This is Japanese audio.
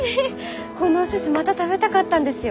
このお寿司また食べたかったんですよ。